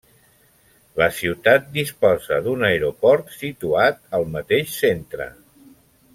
La ciutat disposa d'un aeroport situat al mateix centre.